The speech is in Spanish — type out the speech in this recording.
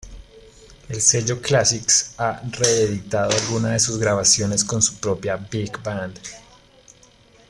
El sello Classics, ha reeditado algunas de sus grabaciones con su propia big band.